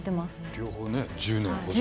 両方ね１０年保存。